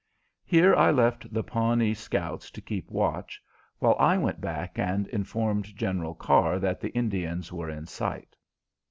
Here I left the Pawnee scouts to keep watch, while I went back and informed General Carr that the Indians were in sight.